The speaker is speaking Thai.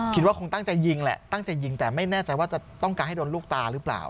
คิดว่าคงตั้งใจยิงแหละตั้งใจยิงแต่ไม่แน่ใจว่าจะต้องการให้โดนลูกตาหรือเปล่า